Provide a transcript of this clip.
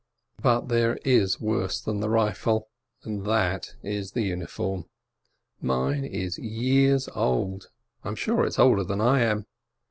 But there is worse than the rifle, and that is the uniform. Mine is years old — I am sure it is older than I am.